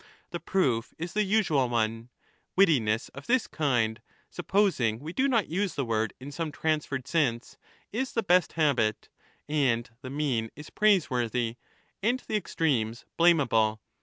The proof is the usual one ; wittiness of this kind, supposing we do not use the word in some transferred sense, is the best habit, and the mean is praiseworthy, and the extremes blameable.